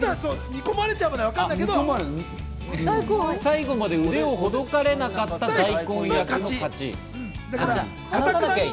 煮込まれちゃうとか、わかん最後まで腕をほどかれなかった大根役が勝ち。